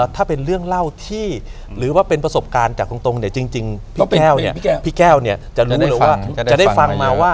ถ้าเป็นเรื่องเล่าที่หรือว่าเป็นประสบการณ์จากตรงจริงพี่แก้วจะได้ฟังมาว่า